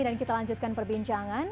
dan kita lanjutkan perbincangan